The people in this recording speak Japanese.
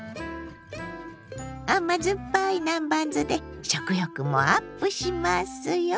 甘酸っぱい南蛮酢で食欲もアップしますよ！